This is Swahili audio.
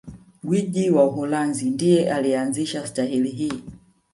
gwiji wa Uholanzi ndiye aliyeanzisha stahili hii